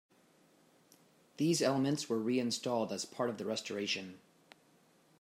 These elements were reinstalled as part of the restoration.